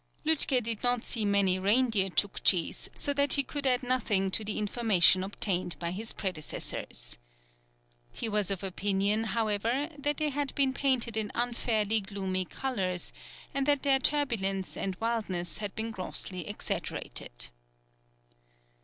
[Illustration: Sedentary Tchouktchis.] Lütke did not see many Reindeer Tchouktchis, so that he could add nothing to the information obtained by his predecessors. He was of opinion, however, that they had been painted in unfairly gloomy colours, and that their turbulence and wildness had been grossly exaggerated.